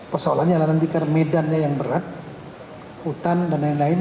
persoalannya adalah nanti karena medannya yang berat hutan dan lain lain